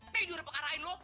tidur di pekarain lo